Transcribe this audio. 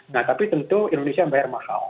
nah tapi tentu indonesia membayar mahal